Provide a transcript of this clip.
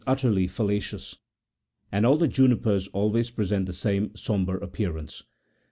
381 utterly fallacious, and all the junipers always present the same sombre appearance.